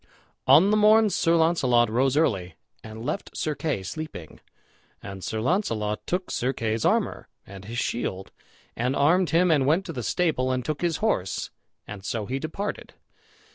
On the morn Sir Launcelot rose early and left Sir Kay sleeping; and Sir Launcelot took Sir Kay's armor, and his shield, and armed him, and went to the stable and took his horse, and so he departed.